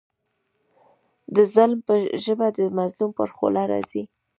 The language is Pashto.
د ظالم ژبه د مظلوم پر خوله راځي.